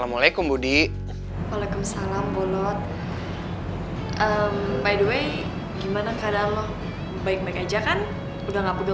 maksudnya ngejalan orang tua